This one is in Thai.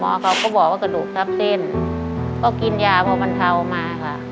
เขาก็บอกว่ากระดูกทับเส้นก็กินยาเพราะบรรเทามาค่ะ